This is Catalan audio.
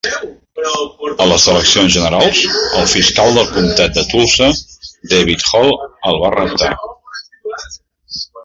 A les eleccions generals, el fiscal del comtat de Tulsa David Hall el va reptar.